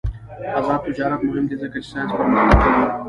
آزاد تجارت مهم دی ځکه چې ساینس پرمختګ کوي.